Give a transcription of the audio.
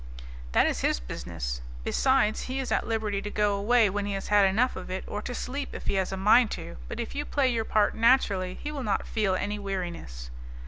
"That is his business. Besides, he is at liberty to go away when he has had enough of it, or to sleep if he has a mind to, but if you play your part naturally he will not feel any weariness."